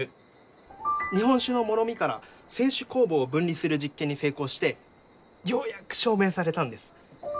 日本酒のもろみから清酒酵母を分離する実験に成功してようやく証明されたんです。